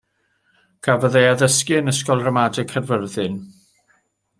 Cafodd ei addysgu yn ysgol ramadeg Caerfyrddin.